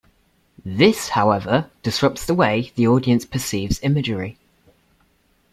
This, however, disrupts the way the audience perceives imagery.